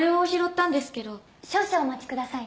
少々お待ちください。